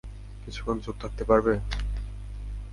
কিছুক্ষণ চুপ থাকতে পারবে?